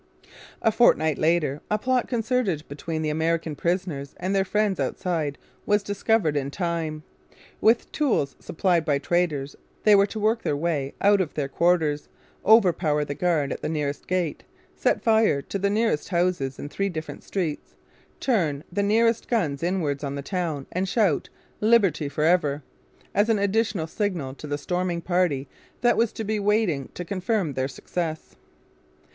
A fortnight later a plot concerted between the American prisoners and their friends outside was discovered just in time. With tools supplied by traitors they were to work their way out of their quarters, overpower the guard at the nearest gate, set fire to the nearest houses in three different streets, turn the nearest guns inwards on the town, and shout 'Liberty for ever!' as an additional signal to the storming party that was to be waiting to confirm their success.